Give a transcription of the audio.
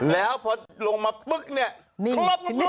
แล้วพอลงมาปึ๊กเนี่ย